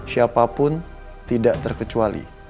siapapun tidak terkecuali